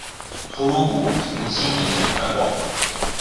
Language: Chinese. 头颅骨呈心型且宽广。